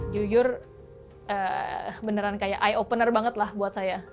jujur beneran kayak ey opener banget lah buat saya